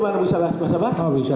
orang sudah benci bagaimana bisa lah